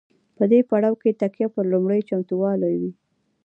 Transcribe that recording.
په دې پړاو کې تکیه پر لومړنیو چمتووالو وي.